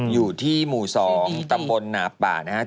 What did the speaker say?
อยู่ที่หมู่๒ตำบลหนาป่านะครับ